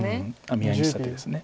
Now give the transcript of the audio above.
見合いにした手です。